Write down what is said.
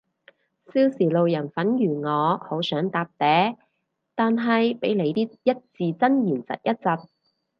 少時路人粉如我好想搭嗲，但係被你啲一字真言疾一疾